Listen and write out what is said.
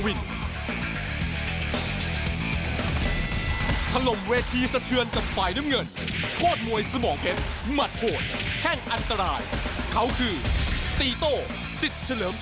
เอ้าก่อนอื่นติดตามวิทยาครับ